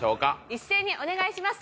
一斉にお願いします